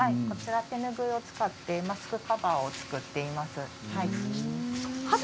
手拭いを使ってマスクカバーを作っています。